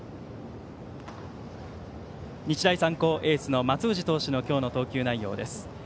日大三高エースの松藤投手の今日の投球内容です。